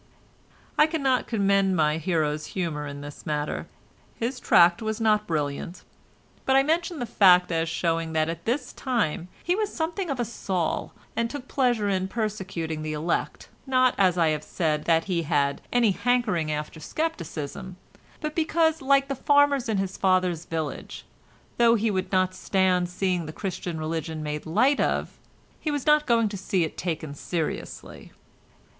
I cannot commend my hero's humour in this matter; his tract was not brilliant, but I mention the fact as showing that at this time he was something of a Saul and took pleasure in persecuting the elect, not, as I have said, that he had any hankering after scepticism, but because, like the farmers in his father's village, though he would not stand seeing the Christian religion made light of, he was not going to see it taken seriously.